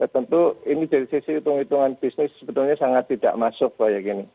tentu ini dari sisi hitung hitungan bisnis sebetulnya sangat tidak masuk kayak gini